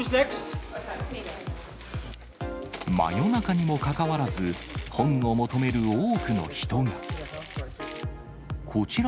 真夜中にもかかわらず、本を求める多くの人が。